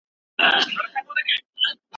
په خپلو قضاوتونو کي انصاف ولرئ.